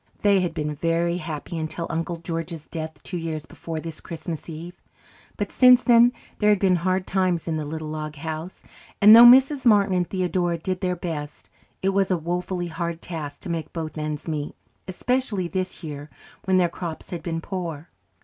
They had been very happy until Uncle George's death two years before this Christmas Eve; but since then there had been hard times in the little log house, and though Mrs. Martin and Theodora did their best, it was a woefully hard task to make both ends meet, especially this year when their crops had been poor.